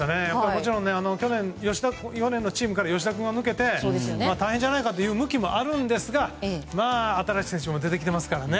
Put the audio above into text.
もちろん去年のチームから吉田君が抜けて大変じゃないかという向きもあるんですが新しい選手も出てきていますからね。